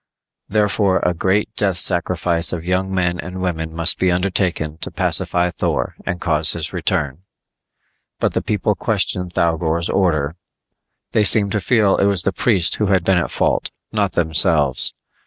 Therefore a great death sacrifice of young men and women must be undertaken to pacify Thor and cause his return. But the people questioned Thougor's order; they seemed to feel it was the priest who had been at fault, not themselves.